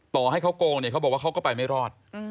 ต่อให้เขาโกงเนี่ยเขาบอกว่าเขาก็ไปไม่รอด